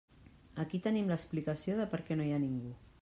Aquí tenim l'explicació de per què no hi ha ningú.